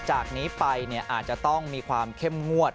จากนี้ไปอาจจะต้องมีความเข้มงวด